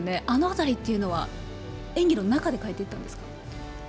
あのあたりというのは演技の中で変えていったんですか？